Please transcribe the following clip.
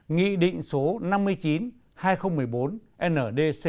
nghị định số năm mươi chín hai nghìn một mươi bốn ndc